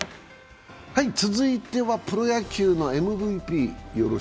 続いてはプロ野球のＭＶＰ。